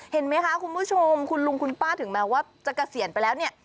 เห็นไหมคะคุณผู้ชมคุณลุงคุณป้าถึงแม้ว่าจะเกษียณไปแล้วเนี่ย